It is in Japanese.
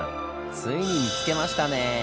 ついに見つけましたね！